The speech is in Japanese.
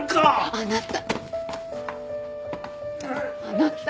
あなた。